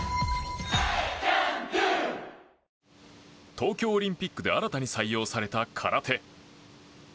東京オリンピックで新たに採用された空手。